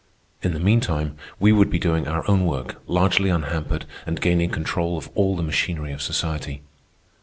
In the meantime we would be doing our own work, largely unhampered, and gaining control of all the machinery of society.